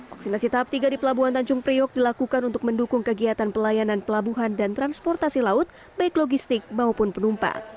vaksinasi tahap tiga di pelabuhan tanjung priok dilakukan untuk mendukung kegiatan pelayanan pelabuhan dan transportasi laut baik logistik maupun penumpang